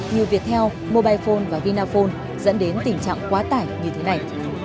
như việt theo mobilephone và vinaphone dẫn đến tình trạng quá tải như thế này